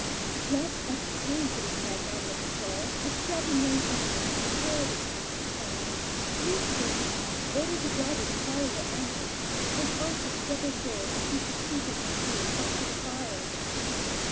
Just as he came to this magnanimous resolve, a strapping young gentleman called a passing cab, leaped in, ordered the driver to follow the engine, and offered double fare if he should keep it in view up to the fire.